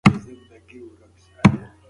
که الوتکه ولویده زه به په خوب کې مړ شم.